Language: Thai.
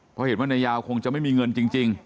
เพราะเห็นว่านายยาวคงจะไม่มีเงินจริง